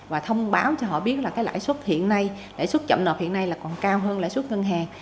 và thông báo cho họ biết là cái lãi suất hiện nay lãi suất chậm nợp hiện nay là còn cao hơn lãi suất ngân hàng